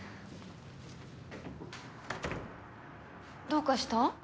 どうかした？